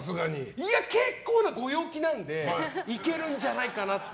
いや、結構なご陽気なのでいけるんじゃないかという。